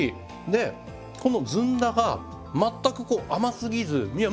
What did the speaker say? でこのずんだが全くこう甘すぎずいや